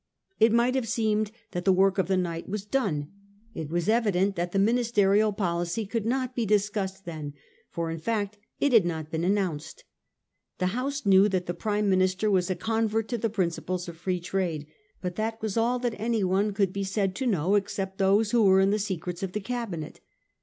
It might have seemed that the work of the night was done. It was evident that the ministerial policy could not be discussed then ; for in fact it had not been announced. The House knew that the Prime Minister was a convert to the princi ples of Free Trade ; but that was all that anyone could be said to know except those who were in the secrets of the Cabinet.